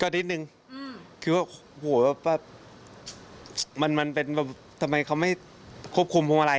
ก็นิดนึงคิดว่าโหมันเป็นแบบทำไมเขาไม่ควบคุมพวกอะไร